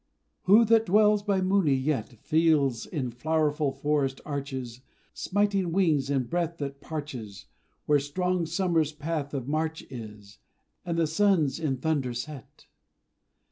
Who that dwells by Mooni yet, Feels, in flowerful forest arches, Smiting wings and breath that parches Where strong Summer's path of march is, And the suns in thunder set?